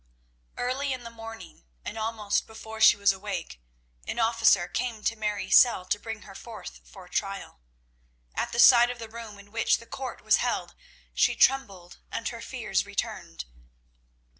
Early in the morning, and almost before she was awake, an officer came to Mary's cell to bring her forth for trial. At the sight of the room in which the court was held she trembled, and her fears returned.